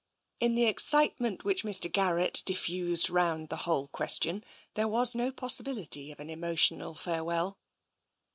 In the excitement which Mr. Garrett diffused round the whole question, there was no possibility of an emotional farewell.